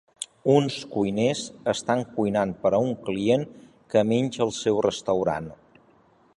Uns cuiners estan cuinant per a un client que menja al seu restaurant.